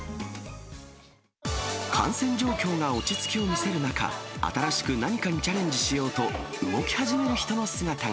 感染状況が落ち着きを見せる中、新しく何かにチャレンジしようと、動き始める人の姿が。